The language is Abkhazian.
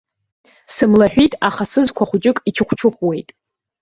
Сымлаҳәит, аха сызқәа хәыҷык ичыхәчыхәуеит.